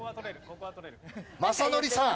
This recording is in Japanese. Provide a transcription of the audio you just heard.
雅紀さん